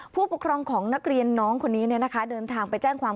ผู้ปกครองของนักเรียนน้องคนนี้เดินทางไปแจ้งความ